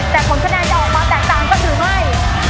แต่ผลคะแนนจะออกมาแตกต่างก็หรือไม่